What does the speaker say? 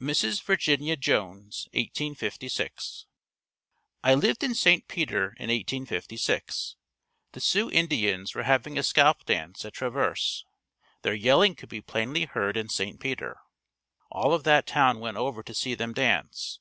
Mrs. Virginia Jones 1856. I lived in St. Peter in 1856. The Sioux Indians were having a scalp dance at Traverse. Their yelling could be plainly heard in St. Peter. All of that town went over to see them dance.